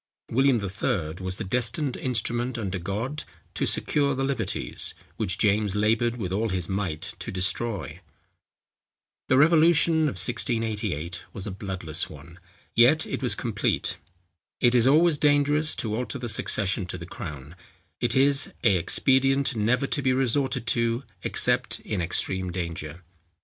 William III. was the destined instrument under God, to secure the liberties, which James laboured with all his might to destroy. The revolution of 1688 was a bloodless one; yet it was complete. It is always dangerous to alter the succession to the crown; it is a expedient never to be resorted to except in extreme danger.